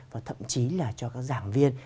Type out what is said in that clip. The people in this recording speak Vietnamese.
và thậm chí là cho các giảng viên